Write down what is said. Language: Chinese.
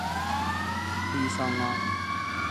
伊桑拉。